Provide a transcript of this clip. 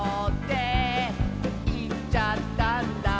「いっちゃったんだ」